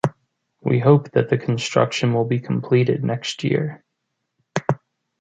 We hope that the construction will be completed next year.